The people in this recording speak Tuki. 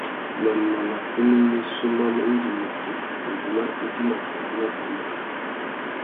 Mamana kunú missú má mú indi mutu ngüimá idjima tukí nà tumu rabú.